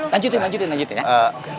lanjutin lanjutin lanjutin ya